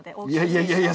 いやいやいや。